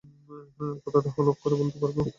কথাটা হলফ করে বলতে পারবো।